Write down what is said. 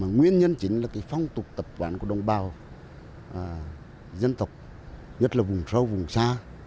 nguyên nhân chính là phong tục tập quán của đồng bào dân tộc nhất là vùng sâu vùng xa